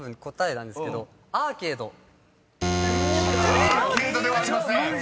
［「アーケード」ではありません］